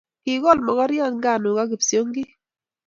Kikol mokoriot nganuk ak kipsiongik